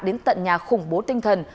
đến tận nhà khủng bố tinh thần